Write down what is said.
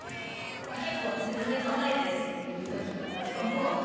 でも結構「自分で考えて」って言うときがあるかも。